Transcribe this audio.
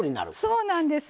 そうなんです。